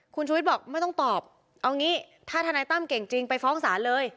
คุณชุวิตบอกไม่ต้องตอบเอางี้ถ้าธนายตั้มเก่งจริงไปฟ้องศาลเลย